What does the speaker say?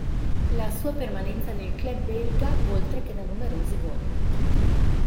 La sua permanenza nel club belga oltre che da numerosi gol.